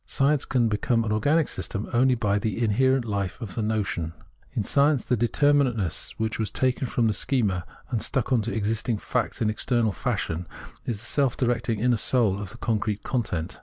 Science can become an organic system only by the inherent hfe of the notion. In science the de terminateness, which was taken from the schema and stuck on to existing facts in external fashion, is the self directing inner soul of the concrete content.